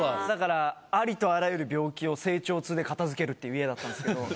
だからありとあらゆる病気を成長痛で片付けるっていう家だったんですけど。